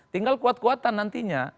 tinggal kuat kuatan nantinya